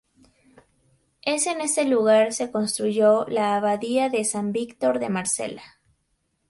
Es en este lugar se construyó la Abadía de San Víctor de Marsella.